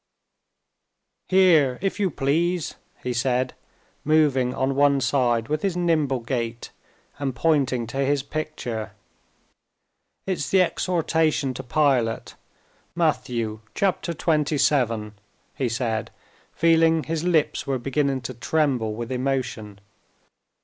"Here, if you please," he said, moving on one side with his nimble gait and pointing to his picture, "it's the exhortation to Pilate. Matthew, chapter xxvii," he said, feeling his lips were beginning to tremble with emotion.